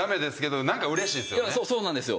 そうなんですよ。